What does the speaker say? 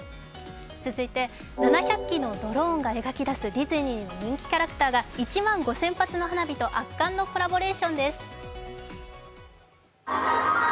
続いて７００期のドローンが描き出すディズニーの人気キャラクターが１万５０００発の花火と圧巻のコラボレーションです。